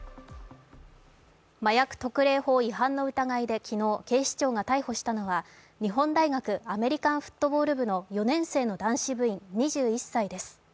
麻薬特例法違反の疑いで昨日、警視庁が逮捕したのは日本大学アメリカンフットボール部の４年生の男子部員、２１歳です。